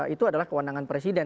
itu adalah kewenangan presiden